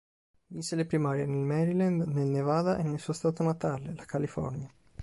Vinse le primarie nel Maryland, nel Nevada e nel suo stato natale, la California.